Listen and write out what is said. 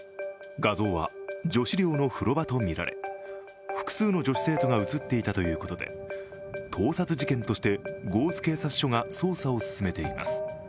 画像は女子寮の風呂場とみられ複数の女子生徒が写っていたということで盗撮事件として江津警察署が捜査を進めています。